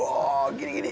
ギリギリ。